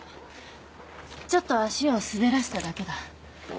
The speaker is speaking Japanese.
ちょっと足を滑らせただけだ。